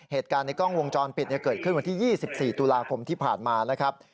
เหตุการณ์ในกล้องวงจรปิดเกิดขึ้นวันที่๒๔ตุลาคมที่ผ่านมานะครับ